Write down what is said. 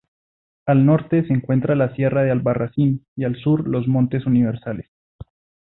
Al norte se encuentra la sierra de Albarracín, y al sur los montes Universales.